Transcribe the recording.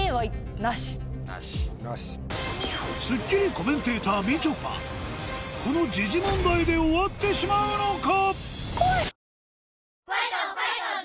コメンテーターみちょぱこの時事問題で終わってしまうのか？